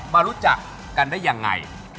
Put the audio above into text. รู้จักกันได้ยังไง